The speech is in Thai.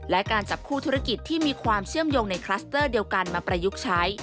และการจับคู่ธุรกิจที่มีความเชื่อมโยงในคลัสเตอร์เดียวกันมาประยุกต์ใช้